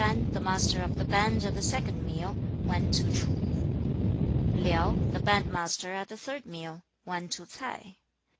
2. Kan, the master of the band at the second meal, went to Ch'u. Liao, the band master at the third meal, went to Ts'ai.